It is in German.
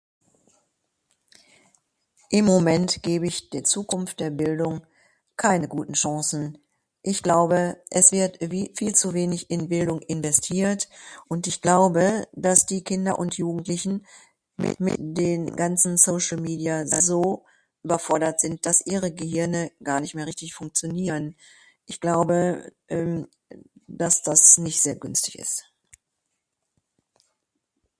Im Moment geb ich der Zukunft der Bildung keine guten Chancen, ich glaube es wird wie viel zu wenig in Bildung investiert und ich glaube das die Kinder und Jugendlichen mit den ganzen Social Media so überfordert sind das Ihre Gehirne gar nicht mehr richtig funktionieren. Ich glaube ehm das, dass nicht sehr günstig ist.